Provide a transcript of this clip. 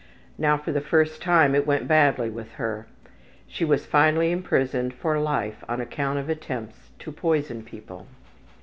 Now for the first time it went badly with her. She was finally imprisoned for life on account of attempts to poison people.